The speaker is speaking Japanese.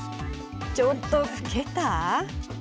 ちょっと老けた？